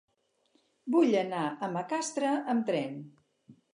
Vull anar a Macastre amb tren.